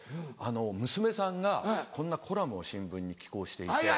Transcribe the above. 娘さんがこんなコラムを新聞に寄稿していて。